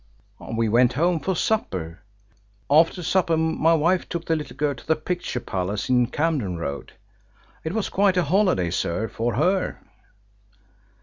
"We went home for supper. After supper my wife took the little girl to the picture palace in Camden Road. It was quite a holiday, sir, for her."